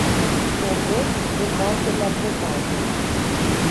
Орлов бухгалтерлӓн попалтен: